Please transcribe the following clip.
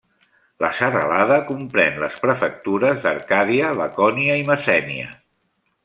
La serralada comprèn les prefectures d'Arcàdia, Lacònia i Messènia.